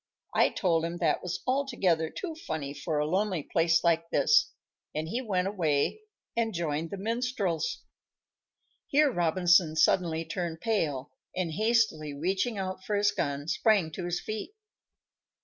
I told him that was altogether too funny for a lonely place like this, and he went away and joined the minstrels." Here Robinson suddenly turned pale, and, hastily reaching out for his gun, sprang to his feet.